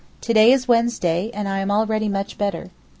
To day is Wednesday, and I am already much better.